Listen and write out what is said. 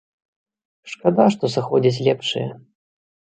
Шкада, што сыходзяць лепшыя.